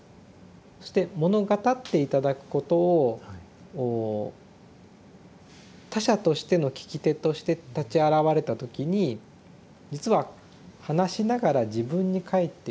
そして物語って頂くことを他者としての聞き手として立ち現れた時に実は話しながら自分に返ってきている。